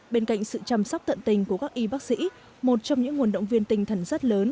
bên cạnh sự chăm sóc tận tình của các y bác sĩ một trong những nguồn động viên tình thần rất lớn